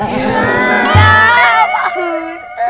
nah pak ustadz